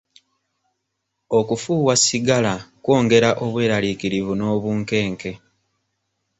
Okufuuwa sigala kwongera obweraliikirivu n'obunkenke.